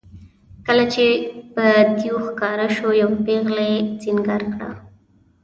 کله چې به دېو ښکاره شو یوه پېغله یې سینګار کړه.